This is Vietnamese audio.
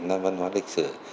bốn năm văn hóa lịch sử